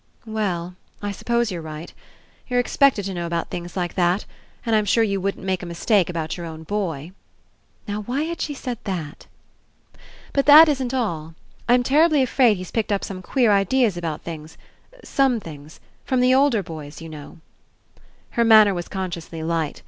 "We 11, I s'pose you're right. You're expected to know about things like that, and I'm sure you wouldn't make a mistake about your own boy." (Now, why had she said that?) ''But that isn't all. I'm terribly afraid he's picked up some queer ideas about things — some things — from the older boys, you know." Her manner was consciously light.